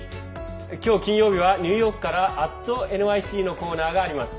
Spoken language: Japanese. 今日金曜日はニューヨークから「＠ｎｙｃ」のコーナーがあります。